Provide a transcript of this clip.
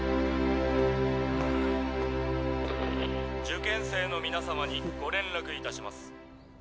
「受験生の皆様にご連絡いたします。